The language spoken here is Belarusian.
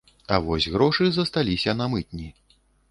А вось грошы засталіся на мытні.